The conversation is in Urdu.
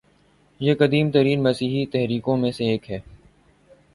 یہ قدیم ترین مسیحی تحریکوں میں سے ایک ہے